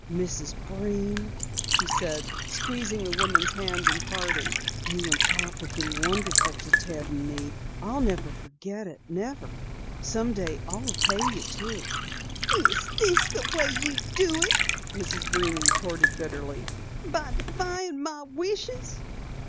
"Mrs. Breen," she said, squeezing the woman's hand in parting, "you and Pop have been wonderful to Ted and me. I'll never forget it never. Someday I'll repay you, too." "This is the way you do it," Mrs. Breen retorted bitterly. "By defying my wishes."